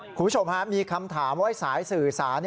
คุณผู้ชมฮะมีคำถามว่าสายสื่อสาร